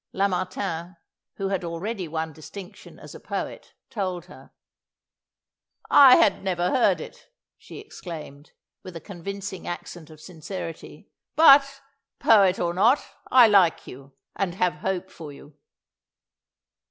Lamartine, who had already won distinction as a poet, told her. "I had never heard it," she exclaimed, with a convincing accent of sincerity; "but, poet or not, I like you, and have hope for you."